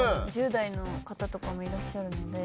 １０代の方とかもいらっしゃるので。